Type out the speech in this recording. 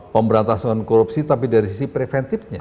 pemberantasan korupsi tapi dari sisi preventifnya